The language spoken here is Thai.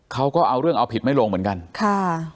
เขาก็เอาเรื่องเอาผิดไม่ลงเหมือนกันค่ะ